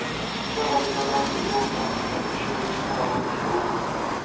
دغه زينې لاندې پوړ ته ښکته شوي چې هغه به وروسته وګورو.